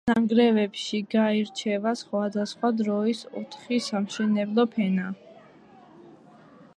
ნანგრევებში გაირჩევა სხვადასხვა დროის ოთხი სამშენებლო ფენა.